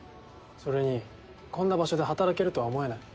それにこんな場所で働けるとは思えない。